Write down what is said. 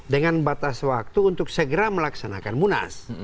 dengan batas waktu untuk segera melaksanakan munas